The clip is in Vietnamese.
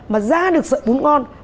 mà ra được sợi bún ngon